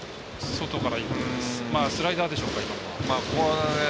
スライダーでしょうか。